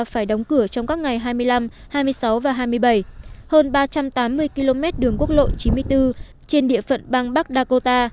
phải đóng cửa trong các ngày hai mươi năm hai mươi sáu và hai mươi bảy hơn ba trăm tám mươi km đường quốc lộ chín mươi bốn trên địa phận bang bắc dakota